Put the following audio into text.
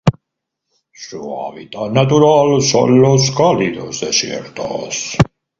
Su hábitat natural son los cálidos desiertos.